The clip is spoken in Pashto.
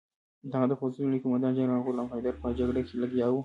د هغه د پوځونو لوی قوماندان جنرال غلام حیدر په جګړه لګیا وو.